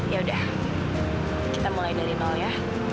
ya udah kita mulai dari nol ya